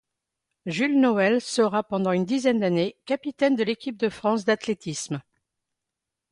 Jules Noël sera pendant une dizaine d’année capitaine de l’équipe de France d’athlétisme.